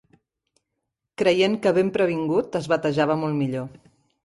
Creient que ben previngut es batejava molt millor